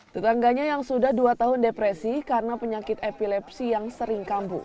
tetangganya yang sudah dua tahun depresi karena penyakit epilepsi yang sering kambuh